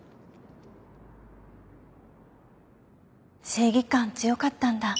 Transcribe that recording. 正義感強かったんだ。